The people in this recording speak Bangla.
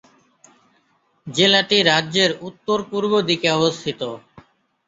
জেলাটি রাজ্যের উত্তর-পূর্ব দিকে অবস্থিত।